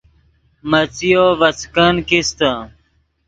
مڅیو ڤے څیکن کیستے